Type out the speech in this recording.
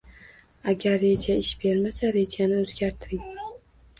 Agar reja ish bermasa, rejani o’zgartiring.